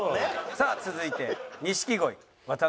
さあ続いて錦鯉渡辺。